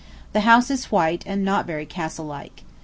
The house is white, and not very castle like.